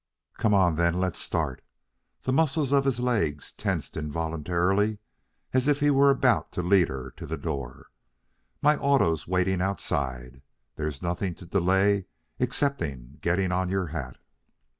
"Come on, then, let's start." The muscles of his legs tensed involuntarily as if he were about to lead her to the door. "My auto's waiting outside. There's nothing to delay excepting getting on your hat."